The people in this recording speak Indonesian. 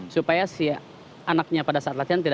supaya si anaknya pada saat latihan